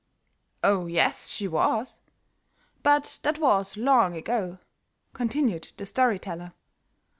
"Oh, yes, she was; but that was long ago," continued the story teller.